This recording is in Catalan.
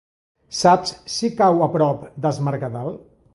Saps si cau a prop d'Es Mercadal?